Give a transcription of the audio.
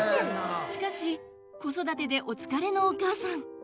しかし子育てでお疲れのお母さん。